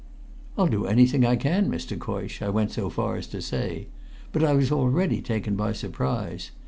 "I'll do anything I can, Mr. Coysh," I went so far as to say. But I was already taken by surprise.